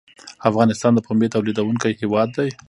افغانستان د پنبې تولیدونکی هیواد دی